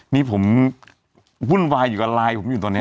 นี่ผมวุ่นวายอยู่กับไลน์ผมอยู่ตอนนี้